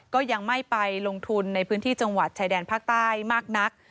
ก็ยังไม่ไปลงทุนในพื้นที่จังหวัดชายแดนภาคใต้มากนัก